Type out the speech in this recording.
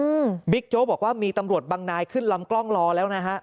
บิ๊กโจ๊กบอกว่ามีตำรวจบางนายขึ้นลำกล้องรอแล้วนะฮะ